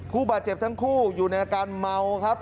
ผู้บาดเจ็บทั้งคู่อยู่ในอาการเมาครับ